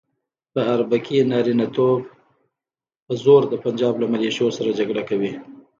په اربکي نارینتوب په زور د پنجاب له ملیشو سره جګړه کوي.